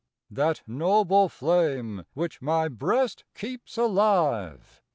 That noble flame, which my Ijreast keeps alive.